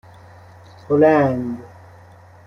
هلند